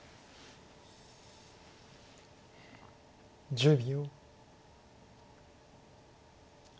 １０秒。